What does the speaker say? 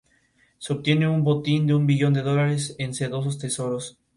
O menos aún, dado algunos pensamientos los tenemos queramos o no.